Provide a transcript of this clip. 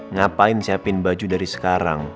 ngapain siapin baju dari sekarang